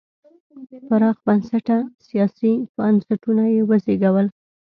پراخ بنسټه سیاسي بنسټونه یې وزېږول.